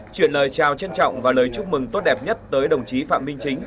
chuyển lời chào trân trọng và lời chúc mừng tốt đẹp nhất tới đồng chí phạm minh chính